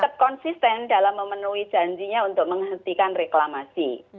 karena ini tetap konsisten dalam memenuhi janjinya untuk menghentikan reklamasi